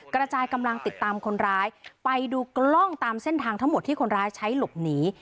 กระจายกำลังติดตามคนร้ายไปดูกล้องตามเส้นทางทั้งหมดที่คนร้ายใช้หลบหนี